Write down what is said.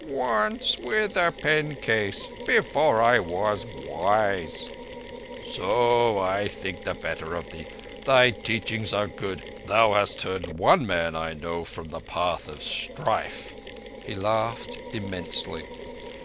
"Once—with a pencase—before I was wise." "So? I think the better of thee. Thy teachings are good. Thou hast turned one man that I know from the path of strife." He laughed immensely.